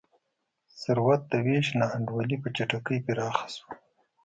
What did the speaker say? ثروت د وېش نا انډولي په چټکۍ پراخه شوه.